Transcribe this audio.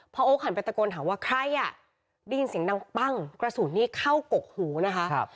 พอโอ๊คหันไปตะโกนถามว่าใครอ่ะได้ยินเสียงดังปั้งกระสุนนี้เข้ากกหูนะคะ